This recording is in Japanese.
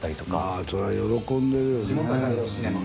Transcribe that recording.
あそれは喜んでるよね